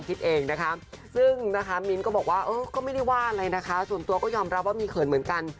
พี่ที่ต่อรู้นะคะส่วนตัวก็ยอมรับว่ามีเขินเหมือนกัน